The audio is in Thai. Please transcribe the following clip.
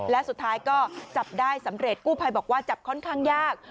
และสุดท้ายก็จับได้สำเร็จกู้ภัยบอกว่าจับค่อนข้างยาก